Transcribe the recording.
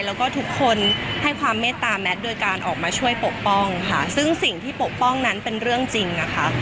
แล้วก็ทุกคนให้ความเมตตาแมทโดยการออกมาช่วยปกป้องค่ะซึ่งสิ่งที่ปกป้องนั้นเป็นเรื่องจริงนะคะ